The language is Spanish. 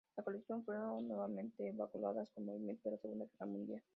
Las colecciones fueron nuevamente evacuadas con motivo de la Segunda Guerra Mundial.